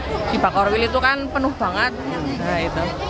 seperti di bank orwil penuh banget